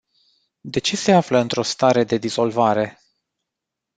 De ce se află într-o stare de dizolvare?